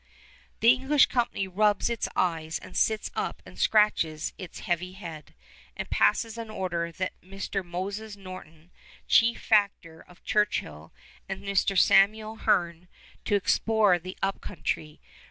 The English company rubs its eyes and sits up and scratches its heavy head, and passes an order that Mr. Moses Norton, chief factor of Churchill, send Mr. Samuel Hearne to explore the Up Country.